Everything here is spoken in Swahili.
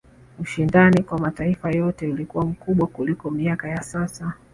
ushindani kwa mataifa yote ulikuwa mkubwa kuliko miaka ya sasa